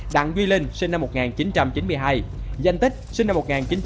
đặng duy linh sinh năm một nghìn chín trăm chín mươi hai danh tích sinh năm một nghìn chín trăm chín mươi